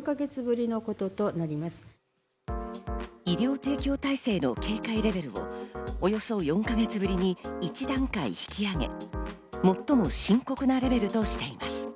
医療提供体制の警戒レベルをおよそ４か月ぶりに１段階引き上げ、最も深刻なレベルとしています。